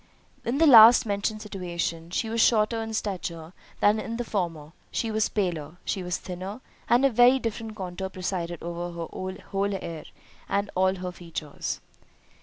In the last mentioned situation, she was shorter in stature than in the former—she was paler—she was thinner—and a very different contour presided over her whole air, and all her features.